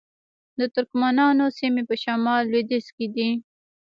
د ترکمنانو سیمې په شمال لویدیځ کې دي